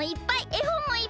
えほんもいっぱい！